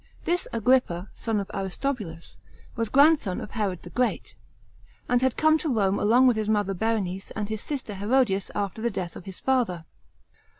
This Agiippa, son of Aristobulus, was grandson of Herod the Great, and had come to Rome along with his mother Berenice and his sister Herodias, after the death of his father.